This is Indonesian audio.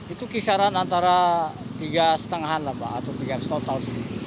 itu kisaran antara tiga setengahan atau tiga setotal